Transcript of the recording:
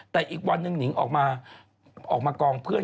แต่อีกวันนึงนิงออกมากองเพื่อน